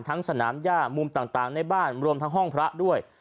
สนามย่ามุมต่างในบ้านรวมทั้งห้องพระด้วย